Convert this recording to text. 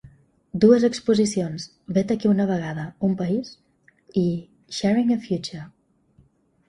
Dues exposicions: ‘Vet aquí una vegada, un país’ i ‘Sharing a Future’